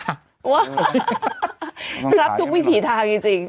รับทุกวิถีทางจริง